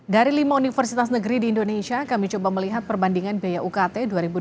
dari lima universitas negeri di indonesia kami coba melihat perbandingan biaya ukt dua ribu dua puluh